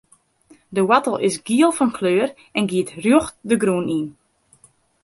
De woartel is giel fan kleur en giet rjocht de grûn yn.